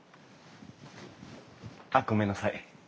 あっごめんなさい。